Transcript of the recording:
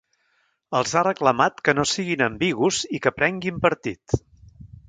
Els ha reclamat que no siguin ambigus i que prenguin partit.